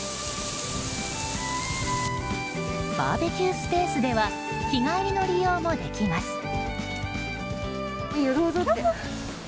バーベキュースペースでは日帰りの利用もできます。